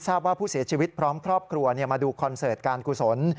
ว่าผู้เสียชีวิตพร้อมครอบครัวมาดูคอนเสิร์ตการกุศล